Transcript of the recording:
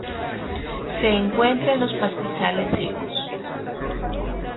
Se encuentra en los pastizales secos.